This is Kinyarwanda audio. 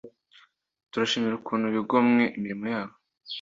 turashimira ukuntu bigomwe imirimo yabo